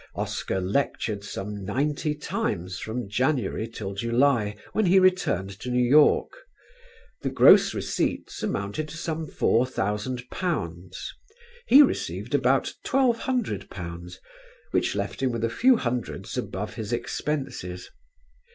Oscar lectured some ninety times from January till July, when he returned to New York. The gross receipts amounted to some £4,000: he received about £1,200, which left him with a few hundreds above his expenses.